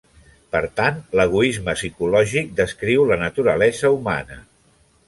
Per tant, l'egoisme psicològic descriu la naturalesa humana.